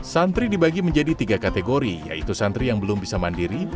santri dibagi menjadi tiga kategori yaitu santri yang belum bisa mandiri